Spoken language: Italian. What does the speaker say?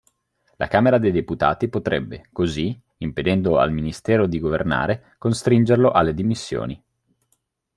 La Camera dei deputati potrebbe, così, impedendo al ministero di governare, costringerlo alle dimissioni.